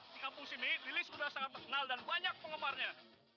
di kampung sini lili sudah sangat terkenal dan banyak penggemarnya